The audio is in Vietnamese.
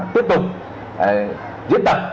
tiếp tục diễn tập